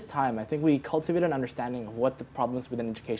saya pikir kami memiliki pemahaman tentang masalah dalam pendidikan